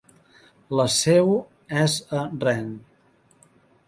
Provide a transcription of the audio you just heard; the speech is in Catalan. La seu és a Rennes.